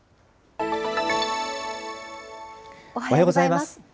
おはようございます。